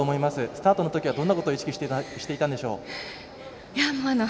スタートのときはどんなことを意識していたんでしょう？